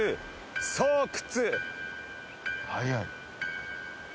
巣窟。